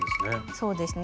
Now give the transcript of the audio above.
そうですね。